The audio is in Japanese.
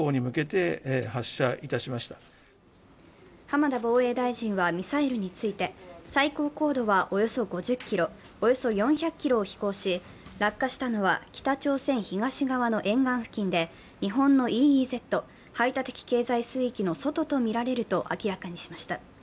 浜田防衛大臣はミサイルについて、最高高度はおよそ５０ｋｍ、およそ４００ｋｍを飛行し、落下したのは、北朝鮮東側の沿岸付近で、日本のＥＥＺ＝排他的経済水域の外とみられると明らかにしました。